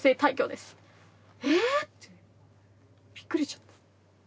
「え⁉」ってびっくりしちゃった。